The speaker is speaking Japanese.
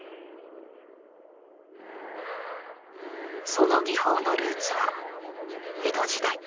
その技法のルーツは江戸時代